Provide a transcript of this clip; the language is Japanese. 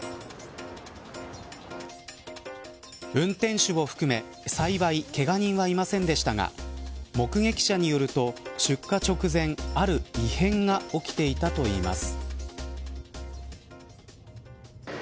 運転手を含め幸い、けが人はいませんでしたが目撃者によると出火直前、ある異変が起きていたといいます。